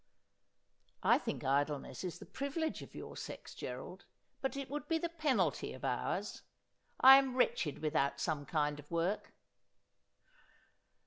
' I think idleness is the privilege of your sex, Gerald ; but it would be the penalty of ours. I am wretched without some kind of work.